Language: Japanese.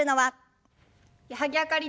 矢作あかりです。